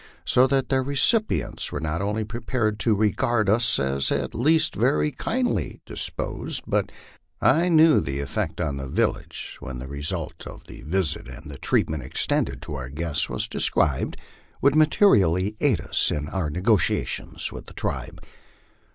so that the recipients were not only prepared to regard us as at least very kindly disposed, but I knew the effect on the village, when the result of the visit, and the treatment extended to our guests was described, would materially aid us in our negotiations with the tribe.